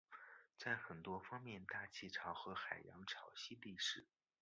在很多方面大气潮和海洋潮汐类似。